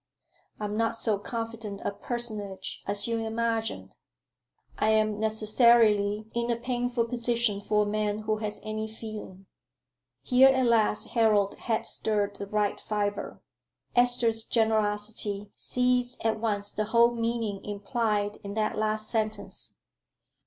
I am not so confident a personage as you imagine. I am necessarily in a painful position for a man who has any feeling." Here at last Harold had stirred the right fibre. Esther's generosity seized at once the whole meaning implied in that last sentence.